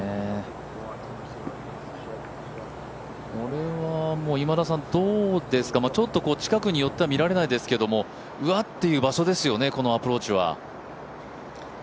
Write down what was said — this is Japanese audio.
これはちょっと近くに寄ったら見られないですけどうわっていう場所ですよね、このアプローチは。